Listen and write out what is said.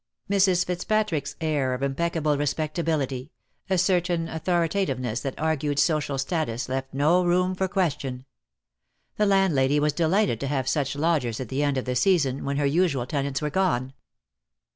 Mrs. Fitzpatrick's air of impeccable respectability, a certain authoritativeness that argued social status, left no room for question. The landlady was de lighted to have such lodgers at the end of the season, when her usual tenants were gone.